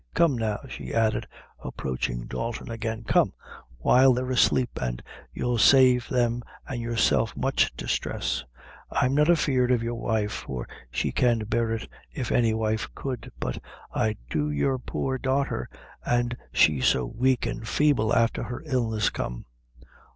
Come now," she added, approaching Dalton again; "come while they're asleep, an' you'll save them an' yourself much distress. I'm not afeard of your wife for she can bear it if any wife could but I do your poor daughter, an' she so weak an' feeble afther her illness; come."